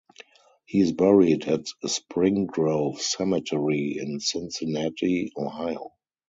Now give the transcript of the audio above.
He is buried at Spring Grove Cemetery in Cincinnati, Ohio.